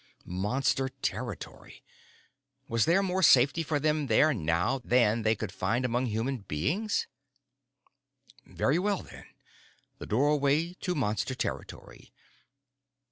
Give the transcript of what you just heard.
Monster territory. Was there more safety for them there now than they could find among human beings? Very well then. The doorway to Monster territory.